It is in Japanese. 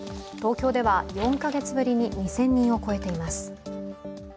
東京では４カ月ぶりに２０００人を超えています。